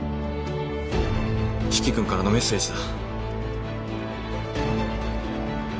四鬼君からのメッセージだ。